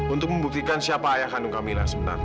untuk membuktikan siapa ayah kandung kamila sebenarnya